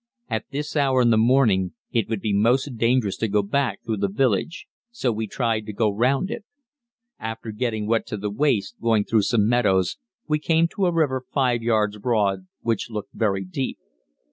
At this hour in the morning it would be most dangerous to go back through the village, so we tried to go round it. After getting wet to the waist going through some meadows, we came to a river 5 yards broad, which looked very deep.